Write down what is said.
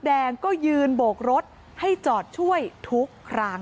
เมื่อเวลาอันดับ